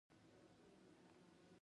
تدارکات څه اصول لري؟